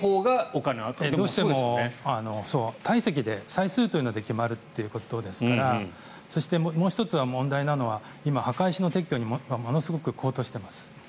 どうしても体積で数というので決まるのでそしてもう１つ問題なのは今、墓石の撤去がものすごく高騰しています。